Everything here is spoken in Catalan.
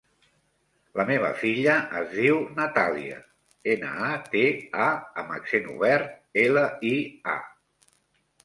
La meva filla es diu Natàlia: ena, a, te, a amb accent obert, ela, i, a.